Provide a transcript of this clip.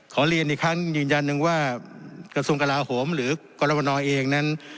ขอเรียนอีกครั้งยืนยันหนึ่งว่ากระทรวงกลาโหมหรือกรมนเองนั้น